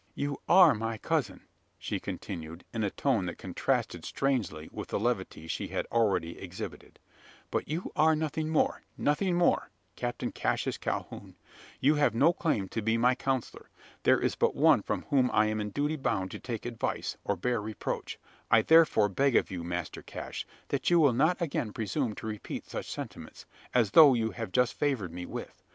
"You are my cousin," she continued, in a tone that contrasted strangely with the levity she had already exhibited, "but you are nothing more nothing more Captain Cassius Calhoun! You have no claim to be my counsellor. There is but one from whom I am in duty bound to take advice, or bear reproach. I therefore beg of you, Master Cash, that you will not again presume to repeat such sentiments as those you have just favoured me with.